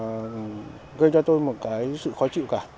không có điều gì là gây cho tôi một cái sự khó chịu cả